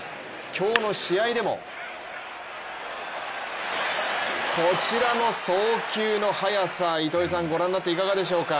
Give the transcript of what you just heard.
今日の試合でもこちらの送球の速さ、糸井さん、ご覧になっていかがでしょうか。